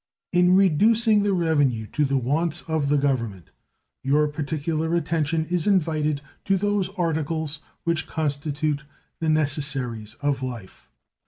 In reducing the revenue to the wants of the Government your particular attention is invited to those articles which constitute the necessaries of life.